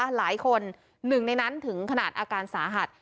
หนึ่งคนหนึ่งในนั้นถึงขนาดอาการสาหัส